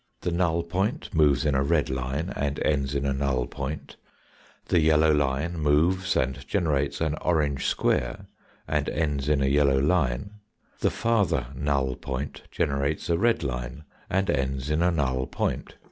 The null point moves in a red line and ends in a null point, the yellow line moves and generates an orange square and ends in a yellow line, the farther null point generates a red line and ends in a null point.